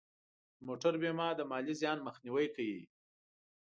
د موټر بیمه د مالی زیان مخنیوی کوي.